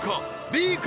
Ｂか？